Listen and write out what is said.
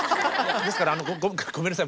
ですからごめんなさい